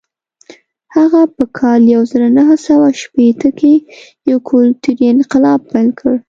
هغه په کال یو زر نهه سوه شپېته کې یو کلتوري انقلاب پیل کړ.